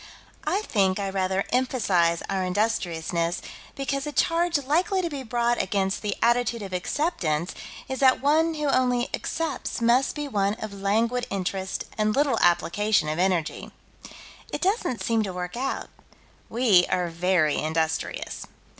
I think I rather emphasize our industriousness, because a charge likely to be brought against the attitude of Acceptance is that one who only accepts must be one of languid interest and little application of energy. It doesn't seem to work out: we are very industrious.